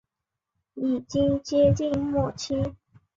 已经接近末期